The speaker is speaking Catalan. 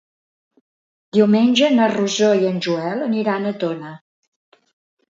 Diumenge na Rosó i en Joel aniran a Tona.